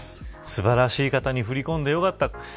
素晴らしい方に振り込んでよかった。